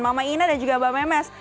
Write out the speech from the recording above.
mama ina dan juga mbak memes